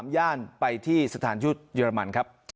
ย่านไปที่สถานทูตเยอรมันครับ